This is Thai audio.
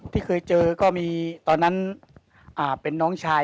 ที่เคยเจอก็มีตอนนั้นเป็นน้องชาย